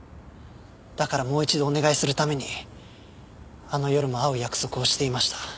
だからもう一度お願いするためにあの夜も会う約束をしていました。